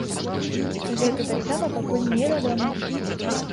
Гэта таксама пакуль невядома.